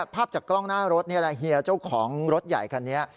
ภาพจากกล้องหน้ารถเจ้าของรถใหญ่กันนี้